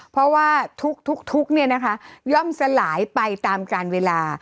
เพราะว่าทุกข์ทุกข์ทุกข์เนี่ยนะคะย่อมสลายไปตามการเวลา